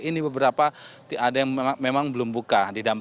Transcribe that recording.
ini beberapa ada yang memang belum buka